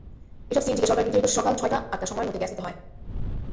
এসব সিএনজিকে সরকারের নির্ধারিত সকাল ছয়টা-আটটা সময়ের মধ্যে গ্যাস নিতে হয়।